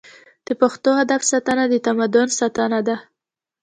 د پښتو ادب ساتنه د تمدن ساتنه ده.